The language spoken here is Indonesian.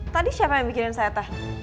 tadi siapa yang bikin saya teh